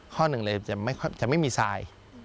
ข้อหนึ่งเลยจะไม่มีทราย